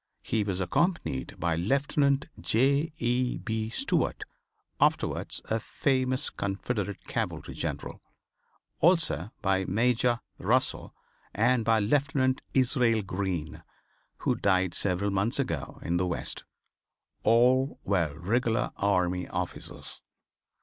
He was accompanied by Lieutenant J. E. B. Stuart, afterwards a famous Confederate Cavalry General; also by Major Russell and by Lieutenant Israel Green, who died several months ago in the West. All were regular army officers.